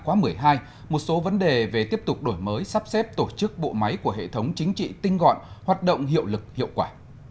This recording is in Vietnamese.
khóa một mươi hai một số vấn đề về tiếp tục đổi mới sắp xếp tổ chức bộ máy của hệ thống chính trị tinh gọn hoạt động hiệu lực hiệu quả